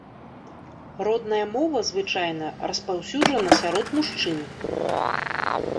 Родная мова звычайна распаўсюджана сярод мужчын.